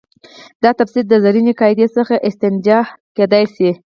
دا تفسیر د زرینې قاعدې څخه استنتاج کېدای شي.